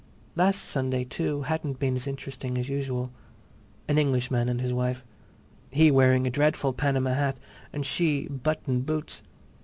Last Sunday, too, hadn't been as interesting as usual. An Englishman and his wife, he wearing a dreadful Panama hat and she button boots.